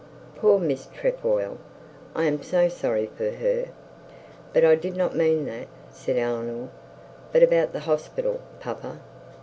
'Poor Miss Trefoil. I am so sorry for her. But I did not mean that,' said Eleanor. 'But about the hospital, papa?